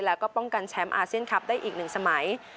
แล้วก็ป้องกันแชมป์อาเซียนคลับได้อีกหนึ่งสมัย